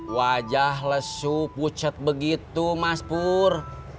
wajah lesu pucet begitu mas pur